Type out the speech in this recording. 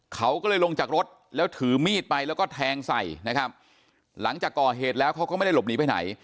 เขาก็เลยลงจากรถแล้วถือมีดไปแล้วก็แทงใส่นะครับหลังจากก่อเหตุแล้วเขาก็ไม่ได้หลบหนีไปไหน